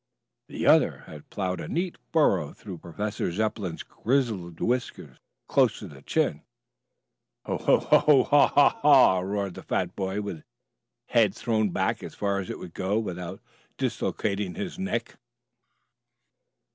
The other had plowed a neat furrow through Professor Zepplin's grizzled whiskers, close to the chin. "Ho, ho, ho! Haw, haw, haw!" roared the fat boy with head thrown back as far as it would go without dislocating his neck.